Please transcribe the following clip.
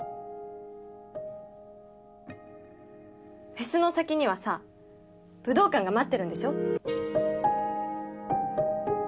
フェスの先にはさ武道館が待ってるんでしょ？